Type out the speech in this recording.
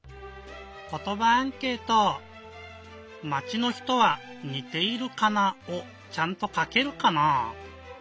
まちの人は「にているかな」をちゃんとかけるかな？